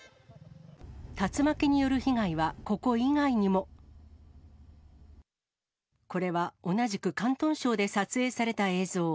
竜巻による被害は、ここ以外にも。これは同じく広東省で撮影された映像。